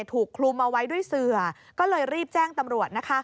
ถูกคลุมเอาไว้ด้วยเสือก็เลยรีบแจ้งตำรวจนะคะ